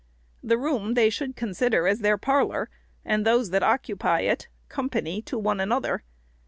The room they should consider as their parlor, and those that occupy it, company to one another.